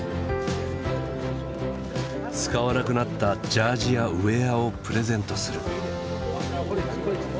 使わなくなったジャージやウエアをプレゼントする。